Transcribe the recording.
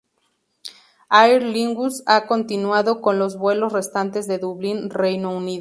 Aer Lingus ha continuado con los vuelos restantes de Dublín-Reino Unido.